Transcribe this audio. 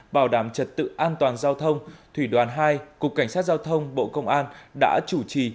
bảo đảm trật tự an toàn giao thông thủy đoàn hai cục cảnh sát giao thông bộ công an đã chủ trì